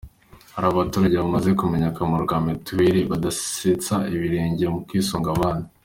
Hari abaturage bamaze kumenya akamaro ka mituweli badatseta ibirenge mu kwisunga abandi.